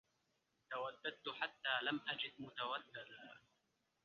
توددت حتى لم أجد متوددا